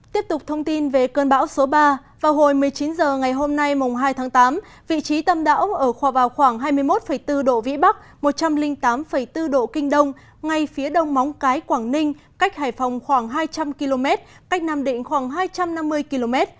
tiếp tục thông tin về cơn bão số ba vào hồi một mươi chín h ngày hôm nay mùng hai tháng tám vị trí tâm bão ở khoa vào khoảng hai mươi một bốn độ vĩ bắc một trăm linh tám bốn độ kinh đông ngay phía đông móng cái quảng ninh cách hải phòng khoảng hai trăm linh km cách nam định khoảng hai trăm năm mươi km